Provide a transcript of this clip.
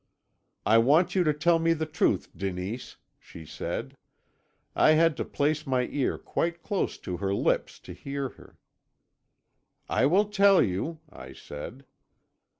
"'I want you to tell me the truth, Denise,' she said; I had to place my ear quite close to her lips to hear her. "'I will tell you,' I said.